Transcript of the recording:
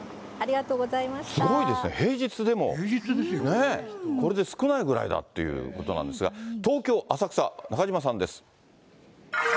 すごいですね、平日でもね、これで少ないぐらいだっていうことなんですが、東京・浅草、中島さんです。